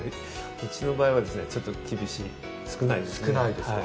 うちの場合は、ちょっと厳しい、少ないですね。